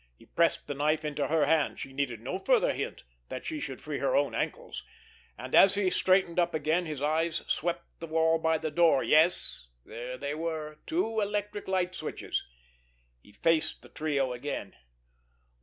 He pressed the knife into her hand—she needed no further hint that she could free her own ankles—and, as he straightened up again, his eyes swept the wall by the door. Yes, they were there—two electric light switches. He faced the trio again.